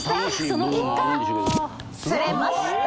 その結果釣れました！